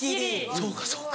そうかそうか。